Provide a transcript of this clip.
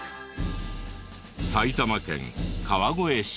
埼玉県川越市。